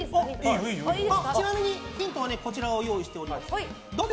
ちなみに、ヒントはこちらを用意しています。